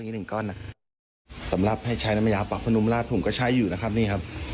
พี่ลองเอาน้ำยาปรับพระนุ่มลาดผมก็ใช้อยู่นะครับนี่ครับ